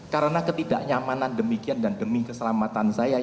karena ketidaknyamanan demikian dan demi keselamatan saya